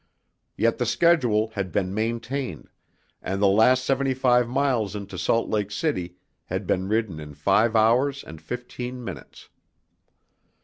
Yet the schedule had been maintained, and the last seventy five miles into Salt Lake City had been ridden in five hours and fifteen minutes.